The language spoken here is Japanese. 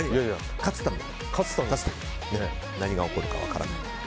勝つために何が起こるか分からない。